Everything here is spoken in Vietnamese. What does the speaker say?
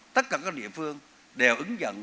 tất cả các địa phương đều ứng dận sử dụng công nghệ